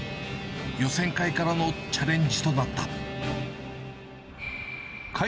予選会からのチャレンジとなった。